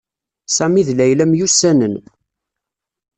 Sami d Layla myussanen.